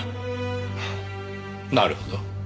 なるほど。